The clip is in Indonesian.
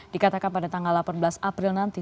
dikatakan pada tanggal delapan belas april nanti